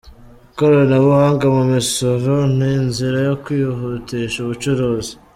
Ikoranabuhanga mu misoro ni inzira yo kwihutisha ubucuruzi"